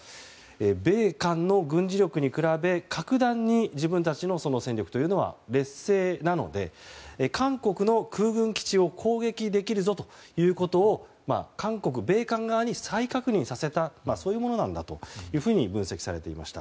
米韓の軍事力に比べ格段に自分たちの戦力は劣勢なので、韓国の空軍基地を攻撃できるぞということを米韓側に再確認させたというものなんだと分析されていました。